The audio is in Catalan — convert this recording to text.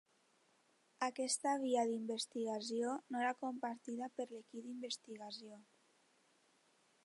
Aquesta via d'investigació no era compartida per l'equip d'investigació.